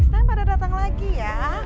sekarang pada datang lagi ya